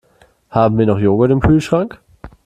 Haben wir noch Joghurt im Kühlschrank?